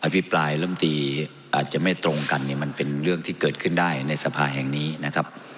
พิปรายลำตีอาจจะไม่ตรงกันเนี่ยมันเป็นเรื่องที่เกิดขึ้นได้ในสภาแห่งนี้นะครับ